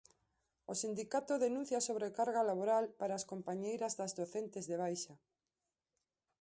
O sindicato denuncia a "sobrecarga laboral" para as compañeiras das docentes de baixa.